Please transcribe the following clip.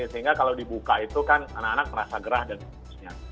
sehingga kalau dibuka itu kan anak anak merasa gerah dan seterusnya